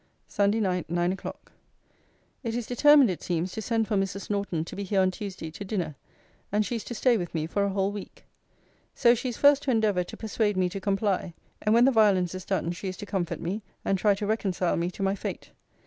SUNDAY NIGHT, NINE O'CLOCK. It is determined, it seems, to send for Mrs. Norton to be here on Tuesday to dinner; and she is to stay with me for a whole week. So she is first to endeavour to persuade me to comply; and, when the violence is done, she is to comfort me, and try to reconcile me to my fate.